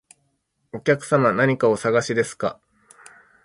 お客様、何かお探しですか？